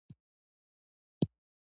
د قرقین ولسوالۍ د امو تر څنګ ده